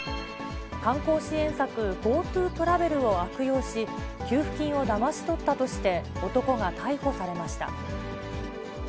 観光支援策、ＧｏＴｏトラベルを悪用し、給付金をだまし取ったとして、男が逮捕されました。